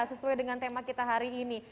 sesuai dengan tema kita hari ini